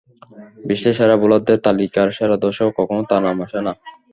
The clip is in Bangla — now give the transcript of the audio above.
বিশ্বের সেরা বোলারদের তালিকার সেরা দশেও কখনো তাঁর নাম আসে না।